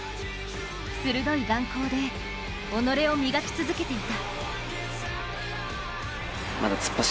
鋭い眼光で己を磨き続けていた。